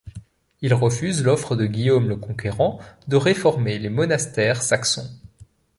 Il refuse l’offre de Guillaume le Conquérant de réformer les monastères saxons.